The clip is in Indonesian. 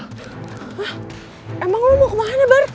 hah emang lo mau kemana bar